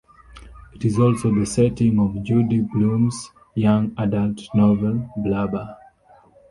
It is also the setting of Judy Blume's young adult novel, Blubber.